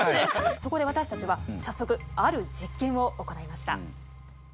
そこで私たちは早速ある実験を行いました。